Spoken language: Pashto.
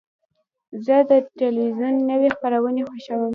زه د تلویزیون نوی خپرونې خوښوم.